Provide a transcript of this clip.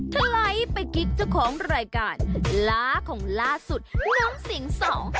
ไถไปกิ๊กเจ้าของรายการล้าของล่าสุดน้องสิงสอง